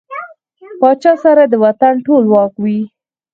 پاچا سره د وطن ټول واک وي .